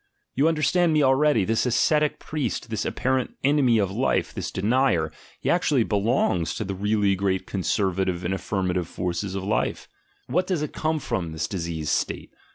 You understand me already: this ascetic priest, this apparent enemy of life, this denier — he actu ally belongs to the really great conservative and affirmative forces of life. ... What does it come from, this diseased state?